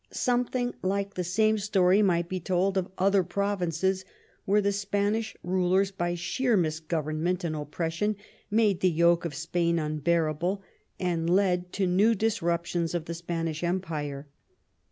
Something like the same story might be told of other provinces where the Spanish rulers, by sheer misgovemment and oppression, made the yoke *of Spain unbearable, and led to new disruptions of the Spanish empire.